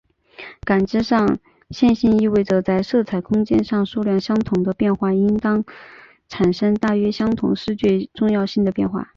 感知上线性意味着在色彩空间上相同数量的变化应当产生大约相同视觉重要性的变化。